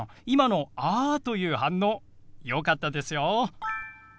今の「あ」という反応よかったですよ。